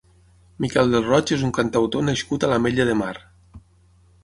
Miquel del Roig és un cantautor nascut a l'Ametlla de Mar.